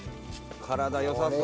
体よさそう。